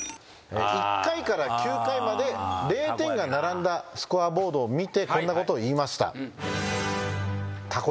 １回から９回まで０点が並んだスコアボードを見てこんなことを言いました。